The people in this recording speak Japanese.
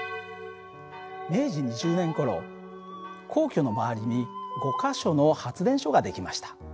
明治２０年ごろ皇居の周りに５か所の発電所が出来ました。